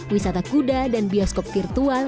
wisata kuda dan bioskop virtual